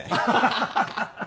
ハハハハ！